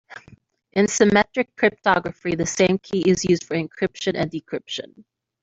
In symmetric cryptography the same key is used for encryption and decryption.